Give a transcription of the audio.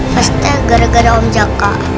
pastinya gara gara om jaka